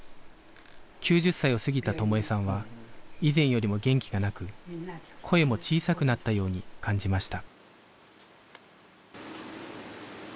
９０歳を過ぎた友枝さんは以前よりも元気がなく声も小さくなったように感じました